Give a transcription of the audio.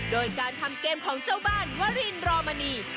โดยการทำเกมของเจ้าบ้านวรินรอมณี